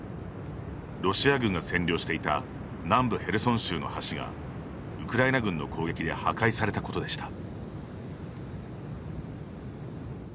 ロシア軍が占領していた南部ヘルソン州の橋がウクライナ軍の攻撃で破壊されたことでした。